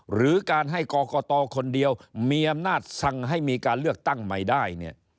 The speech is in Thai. หรือการให้กรกตคนเดียวมีอำนาจสั่งให้มีการเลือกตั้งใหม่ได้เนี่ย